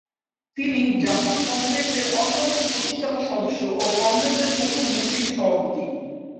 তিনি জাতীয় কংগ্রেসের অন্যতম প্রতিষ্ঠাতা সদস্য ও কংগ্রেসের প্রথম মুসলিম সভাপতি।